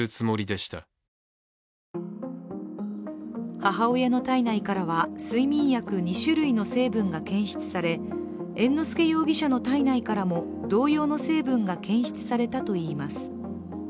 母親の体内からは睡眠薬２種類の成分が検出され猿之助容疑者の体内からも同様の成分が検出されたといいます。